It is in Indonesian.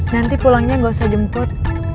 nanti pulangnya gak usah jemput